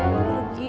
yaudah ganti aja